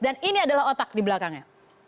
dan ini adalah otak di belakangnya